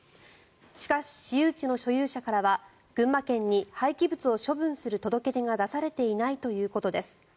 しかし、私有地の所有者からは群馬県に廃棄物を処分する届け出が出されていないということです。